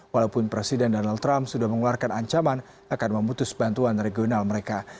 walaupun presiden donald trump sudah mengeluarkan ancaman akan memutus bantuan regional mereka